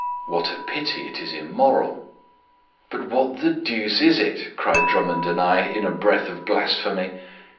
What a pity it is immoral." "But what the deuce is it?" cried Drummond and I in a breath of blasphemy.